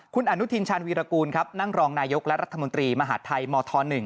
คุณอนุทินชาญวีรกูลครับนั่งรองนายกและรัฐมนตรีมหาดไทยมธ๑